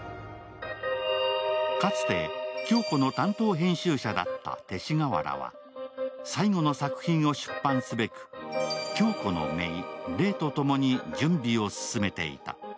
かつて響子の担当編集者だった勅使河原は最後の作品を出版すべく、響子のめい・怜とともに、準備を進めていた。